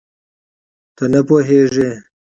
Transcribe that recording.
ته نه پوهېږې؟